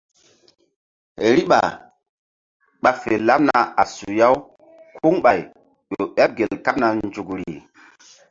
Riɓa ɓa fe laɓna a suya-u kuŋɓay ƴo ɓeɓ gel kaɓna nzukri.